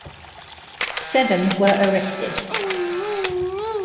Seven were arrested.